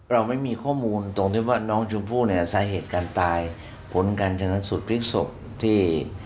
เราไม่มีข้อมูลตรงที่ว่าน้องชมพู่เนี่ยสาเหตุการตายผลการชนะสูตรพลิกศพที่